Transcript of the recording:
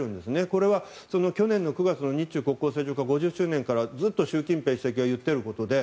これは去年の９月に日中国境正常化５０周年からずっと習近平主席が言っていることで。